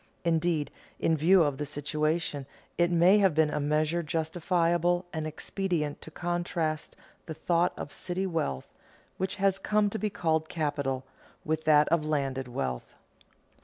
Indeed, in view of the situation, it may have been in a measure justifiable and expedient to contrast the thought of city wealth, which has come to be called capital, with that of landed wealth.